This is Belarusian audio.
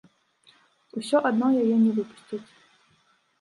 Усё адно яе не выпусцяць.